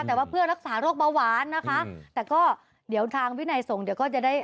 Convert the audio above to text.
แต่ว่าเพื่อรักษาโรคเบาหวานนะคะแต่ก็เดี๋ยวทางวินัยส่งเดี๋ยวก็จะได้